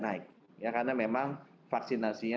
naik karena memang vaksinasi